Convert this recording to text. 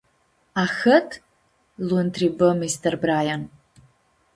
“Ahãt?” lu-ãntribã mister Braian.